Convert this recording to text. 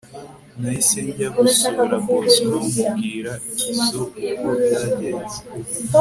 nahise njya gusura bosco mubwira izo uko byagenze